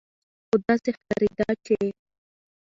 خو داسې ښکارېده چې